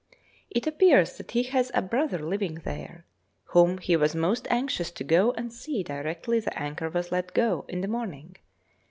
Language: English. It appears that he has a brother living there, whom he was most anxious to go and see directly the anchor was let go, in the morning.